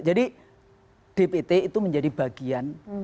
jadi dpt itu menjadi bagian